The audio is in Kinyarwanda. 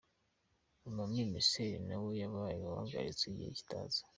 Lomami Marcel nawe yabaye ahagaritswe igihe kitazwi.